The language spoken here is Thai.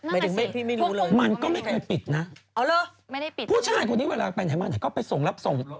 ฮะมันก็ไม่ได้ปิดนะผู้ชายคนที่เวลาเป็นไทยมากนั้นก็ไปส่งรับส่ง